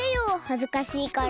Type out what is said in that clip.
はずかしいから。